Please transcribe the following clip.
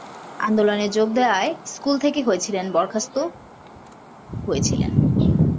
আন্দোলনে যোগ দেওয়ায় স্কুল থেকে হয়েছিলেন বরখাস্ত হয়েছিলেন।